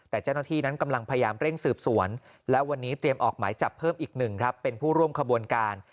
แต่เจ้าหน้าที่นั้นกำลังพยายามเร่งสืบสวนและวันนี้เตรียมออกหมายจับเพิ่มอีกหนึ่งครับเป็นผู้ร่วมขบวนการ